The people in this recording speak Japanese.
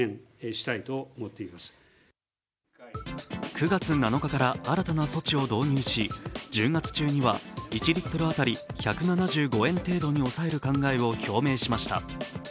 ９月７日から新たな措置を導入し１０月中には１リットル当たり１７５円程度に抑える考えを表明しました。